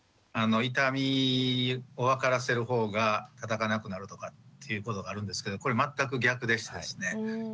痛みを分からせる方がたたかなくなるとかっていうことがあるんですけどこれ全く逆でしてですね。